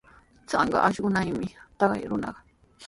Trunka ashnuyuqmi taqay runa.